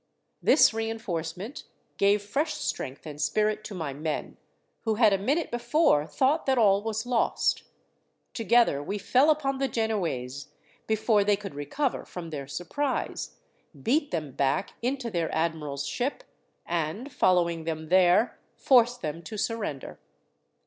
"This reinforcement gave fresh strength and spirit to my men, who had a minute before thought that all was lost. Together we fell upon the Genoese, before they could recover from their surprise, beat them back into their admiral's ship, and following them there forced them to surrender.